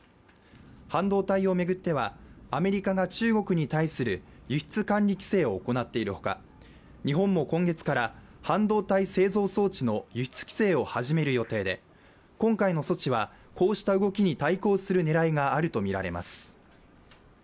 半導体を巡っては、アメリカが中国に対する輸出管理規制を行っているほか日本も今月から半導体製造装置の輸出規制を始める予定で今回の措置は、こうした動きに対抗する狙いがあるとみられます。